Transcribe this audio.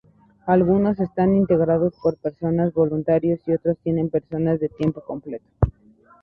Algunos están integrados por personal voluntarios y otros tienen personal de tiempo completo.